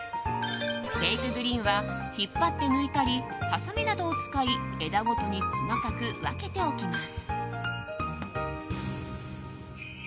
フェイクグリーンは引っ張って抜いたりはさみなどを使い枝ごとに細かく分けておきます。